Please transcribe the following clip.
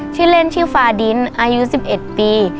ชื่อเล่นชื่อฟาดินอายุ๑๑ปี